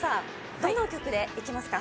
どの曲でいきますか？